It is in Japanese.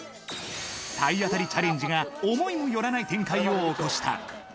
体当たりチャレンジが思いもよらない展開を起こした。